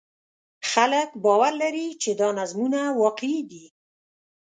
خلک باور لري چې دا نظمونه واقعي دي.